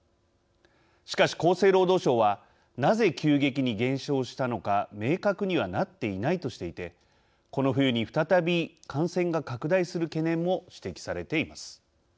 しかし、厚生労働省は「なぜ、急激に減少したのか明確にはなっていない」としていて、この冬に再び感染が拡大する懸念も指摘されています。